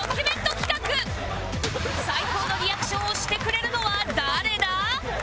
最高のリアクションをしてくれるのは誰だ？